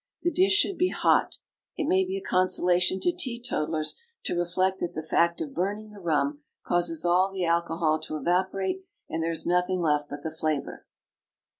The dish should be hot. It may be a consolation to teetotallers to reflect that the fact of burning the rum causes all the alcohol to evaporate, and there is nothing left but the flavour.